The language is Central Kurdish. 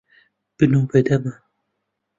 بنوو بە دەما.